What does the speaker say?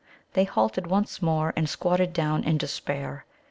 They halted once more, and squatted down in despair.